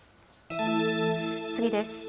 次です。